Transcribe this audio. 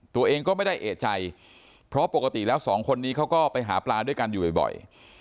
ตัวเองก็ไม่ได้เอกใจเพราะปกติแล้วสองคนนี้เขาก็ไปหาปลาด้วยกันอยู่บ่อย